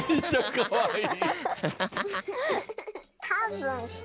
かわいい。